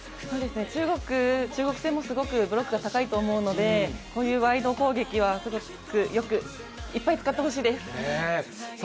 中国戦もすごくブロックが高いと思うので、こういうワイド攻撃はいっぱい使ってほしいです。